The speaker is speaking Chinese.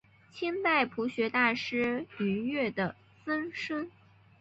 清代朴学大师俞樾曾孙。